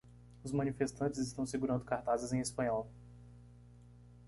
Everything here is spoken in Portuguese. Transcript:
Os manifestantes estão segurando cartazes em espanhol.